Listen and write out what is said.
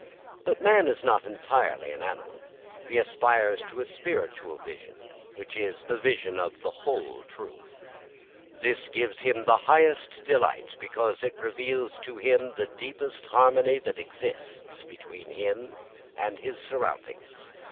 But man is not entirely an animal. He aspires to a spiritual vision, which is the vision of the whole truth. This gives him the highest delight, because it reveals to him the deepest harmony that exists between him and his surroundings.